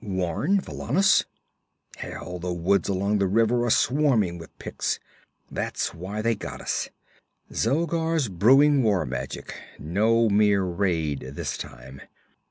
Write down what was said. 'Warn Valannus?' 'Hell, the woods along the river are swarming with Picts! That's why they got us. Zogar's brewing war magic; no mere raid this time.